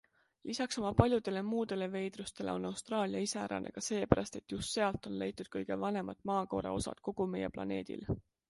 Lisaks oma paljudele muudele veidrustele on Austraalia iseärane ka seepärast, et just sealt on leitud kõige vanemad maakoore osad kogu meie planeedil.